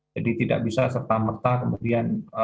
jadi tidak bisa serta merta kemudian